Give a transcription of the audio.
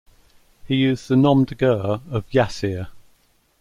He used the "nom-de-guerre" of "Yassir".